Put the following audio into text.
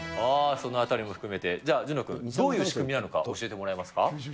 そのあたりも含めて、じゃあ、諄之君、どういう仕組みなのか教えてもらえますか？